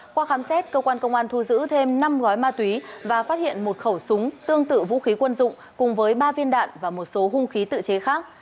qua khám xét cơ quan công an thu giữ thêm năm gói ma túy và phát hiện một khẩu súng tương tự vũ khí quân dụng cùng với ba viên đạn và một số hung khí tự chế khác